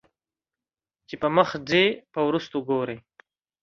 چې پۀ مخ ځې په وروستو ګورې